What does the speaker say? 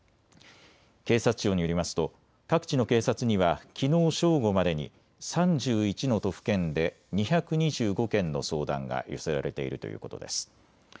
警察庁によりますと各地の警察にはきのう正午までに３１の都府県で２２５件の相談が寄せられているということです。